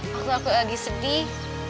waktu aku lagi sedih